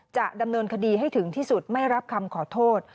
จะดำเนินคดีให้ถึงที่สุดไม่รับคำขอโทษ